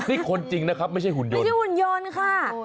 นี่คนจริงนะครับไม่ใช่หุ่นยนต์ค่ะ